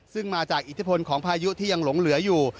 ซึ่งมาจากอิทธิพลของพายุที่ยังหลงเหลืออยู่